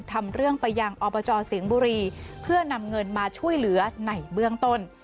ทำเรื่องไปยังอบจสิงห์บุรีเพื่อนำเงินมาช่วยเหลือในเบื้องต้น